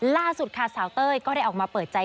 ล่าสุดค่ะสาวเต้ยก็ได้ออกมาเปิดใจ